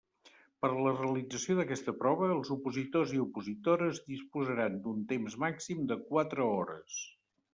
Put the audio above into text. Per a la realització d'aquesta prova, els opositors i opositores disposaran d'un temps màxim de quatre hores.